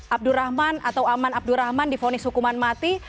abdurrahman atau aman abdurrahman di vonis hukuman mati